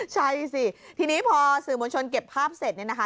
ใช่สิทีนี้พอสื่อมวลชนเก็บภาพเสร็จเนี่ยนะคะ